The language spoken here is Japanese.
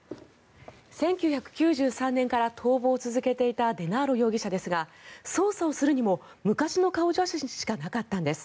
１９９３年から逃亡を続けていたデナーロ容疑者ですが捜査をするにも昔の顔写真しかなかったんです。